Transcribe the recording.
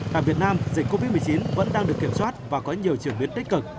tại việt nam dịch covid một mươi chín vẫn đang được kiểm soát và có nhiều chuyển biến tích cực